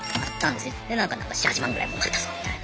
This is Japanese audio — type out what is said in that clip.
でなんか７８万ぐらいもうかったぞみたいな。